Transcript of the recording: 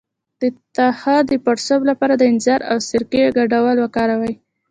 د تخه د پړسوب لپاره د انځر او سرکې ګډول وکاروئ